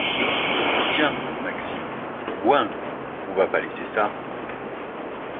Tiens, Maxime, bois un coup, on va pas laisser ça.